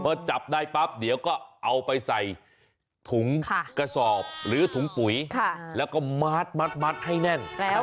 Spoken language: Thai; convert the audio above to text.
พอจับได้ปั๊บเดี๋ยวก็เอาไปใส่ถุงกระสอบหรือถุงปุ๋ยแล้วก็มัดให้แน่น